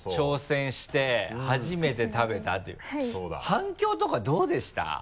反響とかどうでした？